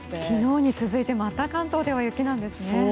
昨日に続いてまた関東では雪なんですね。